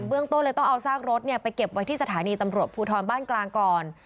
เรื่องต้นเลยต้องเอาซากรถไปเก็บไว้ที่สถานีตำรวจภูทรบ้านกลางก่อน